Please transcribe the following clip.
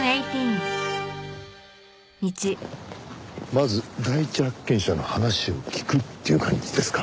まず第一発見者の話を聞くっていう感じですか？